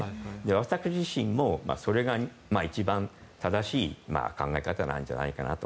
私自身もそれが一番正しい考え方なんじゃないかと。